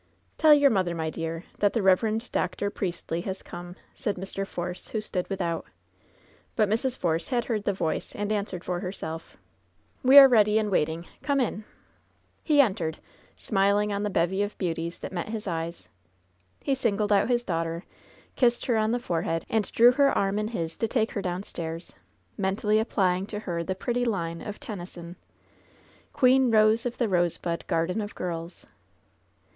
"TeU your mother, my dear, that the Rev. Dr. Priestly has come,'' said Mr. Force, who stood without. But Mrs. Force had heard the voice, and answered for herself: ^We are ready and waiting. Come in.'* He entered, smiling on the bevy of beauties that met his eyes. He singled out his daughter, kissed her on the fore head, and drew her arm in his to take her downstairs, mentally applying to her the pretty line of Tennyson: ''Queen rose of tie rosebud garden of girls.'